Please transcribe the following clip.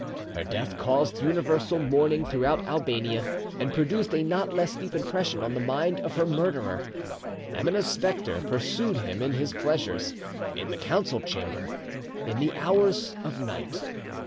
Her death caused universal mourning throughout Albania, and produced a not less deep impression on the mind of her murderer. Emineh's spectre pursued him in his pleasures, in the council chamber, in the hours of night.